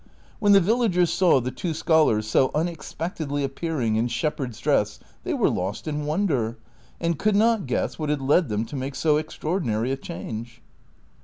AVhen the villagers saw the two scholars so unexpectedly appearing in shepherd's dress they were lost in wonder, and could not guess what had led them to make so extraordinary a change.